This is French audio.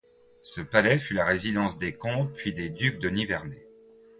Ce palais fut la résidence des comtes puis des ducs du Nivernais.